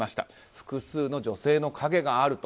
複数の女性の影があると。